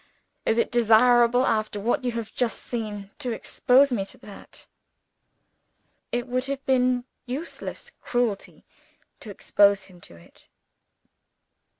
Is it desirable, after what you have just seen, to expose me to that?" It would have been useless cruelty to expose him to it.